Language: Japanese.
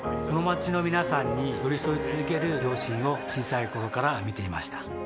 この街の皆さんに寄り添い続ける両親を小さい頃から見ていました